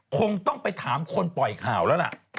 คงต้องไปถามคนปล่อยข่าวแล้วล่ะ